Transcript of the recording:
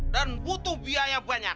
dan butuh biaya banyak